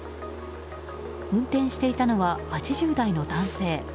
運転していたのは８０代の男性。